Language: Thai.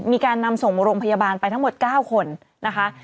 มีการนำส่งโรงพยาบาลไปทั้งหมด๙คนนะคะ